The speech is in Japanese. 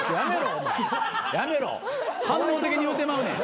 反応的に言うてまうねん。